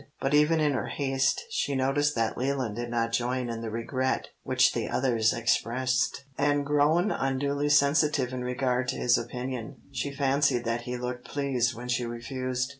But even in her haste she noticed that Leland did not join in the regret which the others expressed, and grown unduly sensitive in regard to his opinion, she fancied that he looked pleased when she refused.